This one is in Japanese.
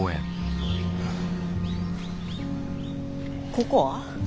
ここは？